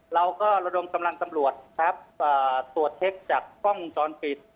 เราก็ระดงกำลังตำหลวดครับเอ่อตัวเช็กจากฟ่องตรอนปิด